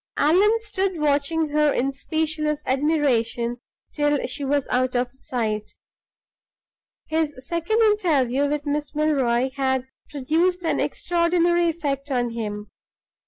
Allan stood watching her in speechless admiration till she was out of sight. His second interview with Miss Milroy had produced an extraordinary effect on him.